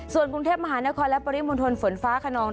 ส่วนกรุงเทพมหานครและปริมณฑลฝนฟ้าขนอง